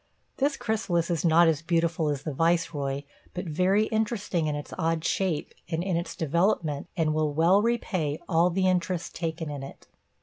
This chrysalis is not as beautiful as the Viceroy, but very interesting in its odd shape and in its development and will well repay all the interest taken in it.